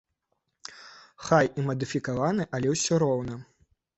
Хай і мадыфікаваны, але ўсё роўна.